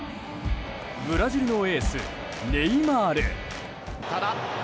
ブラジルのエース、ネイマール。